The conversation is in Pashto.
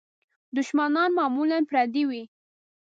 دوښمنان معمولاً پردي وي.